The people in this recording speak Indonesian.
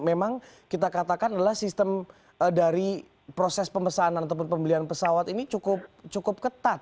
memang kita katakan adalah sistem dari proses pemesanan ataupun pembelian pesawat ini cukup ketat